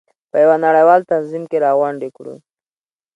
په یو نړیوال تنظیم کې راغونډې کړو.